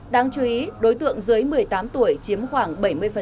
đáng chú ý đối tượng dưới một mươi tám tuổi chiếm khoảng bảy mươi